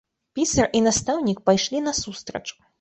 Пісар і настаўнік пайшлі насустрач.